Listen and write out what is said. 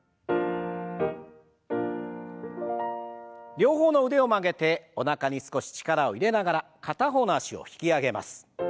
両方の腕を曲げておなかに少し力を入れながら片方の脚を引き上げます。